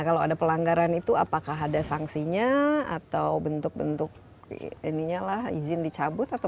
kalau ada pelanggaran itu apakah ada sanksinya atau bentuk bentuk ininya lah izin dicabut atau